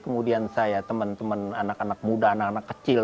kemudian saya teman teman anak anak muda anak anak kecil